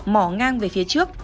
mỏ ngang về phía trước